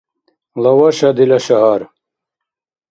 Лаваша — дила шагьар